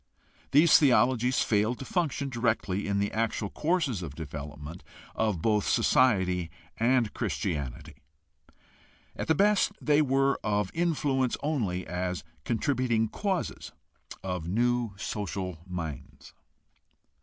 These theologies failed to function directly in the actual course of development of both society and Christianity. At the best they were of influence only as contributing causes of new social minds.